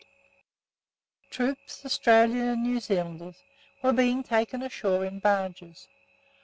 Troops Australians and New Zealanders were being taken ashore in barges.